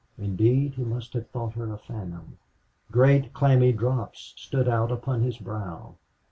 Indeed he must have thought her a phantom. Great, clammy drops stood out upon his brow.